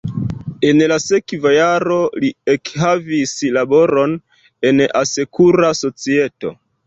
En la sekva jaro li ekhavis laboron en asekura societo.